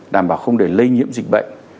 đảm bảo không để lây nhiễm dịch bệnh